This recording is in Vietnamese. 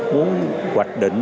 muốn hoạch định